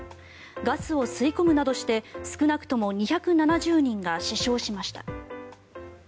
ガスを吸い込むなどして少なくとも２７０人が死傷しました。